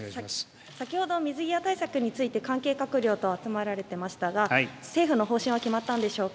先ほど水際対策について関係閣僚と集められていましたが政府の方針は決まったんでしょうか。